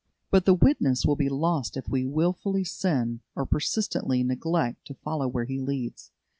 But the witness will be lost if we wilfully sin, or persistently neglect to follow where He leads.